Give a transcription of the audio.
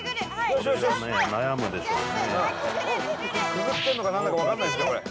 くぐってんのか何だか分かんないですねこれ。